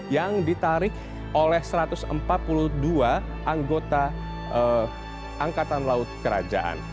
yang ditarik oleh satu ratus empat puluh dua anggota angkatan laut kerajaan